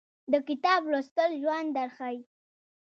د کتاب لوستل ژوند درښایي